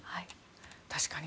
確かに。